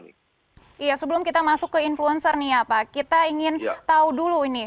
iya sebelum kita masuk ke influencer nih ya pak kita ingin tahu dulu ini